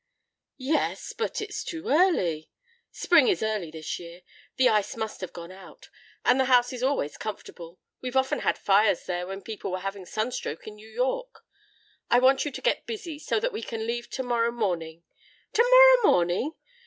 "Yes, but it's too early " "Spring is early this year. The ice must have gone out. And the house is always comfortable; we've often had fires there when people were having sunstroke in New York. I want you to get busy, so that we can leave tomorrow morning " "Tomorrow morning?